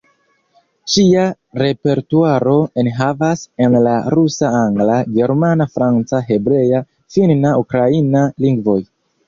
Ŝia repertuaro enhavas en la rusa, angla, germana, franca, hebrea, finna, ukraina lingvoj.